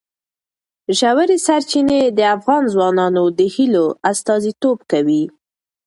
ژورې سرچینې د افغان ځوانانو د هیلو استازیتوب کوي.